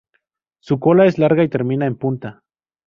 Su cola es larga y termina en punta.